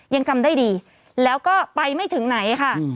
ยังจำได้ดีแล้วก็ไปไม่ถึงไหนค่ะ